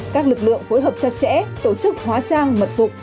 các lực lượng phối hợp chặt chẽ tổ chức hóa trang mật phục